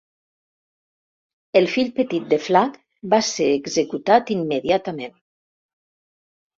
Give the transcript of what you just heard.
El fill petit de Flac va ser executat immediatament.